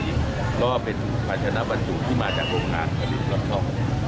เพราะว่าเป็นปัญชนะบรรจุที่มาจากโรงงานกระดิษฐ์รอดช่อง